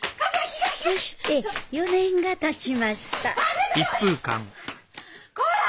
そして４年がたちましたこら！